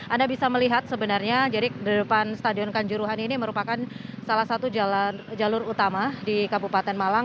anda bisa melihat sebenarnya jadi di depan stadion kanjuruhan ini merupakan salah satu jalur utama di kabupaten malang